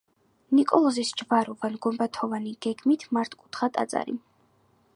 ნიკოლოზის ჯვაროვან-გუმბათოვანი, გეგმით მართკუთხა ტაძარი.